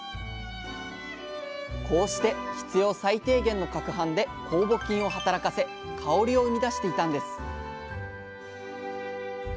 こうして必要最低限のかくはんで酵母菌を働かせ香りを生み出していたんです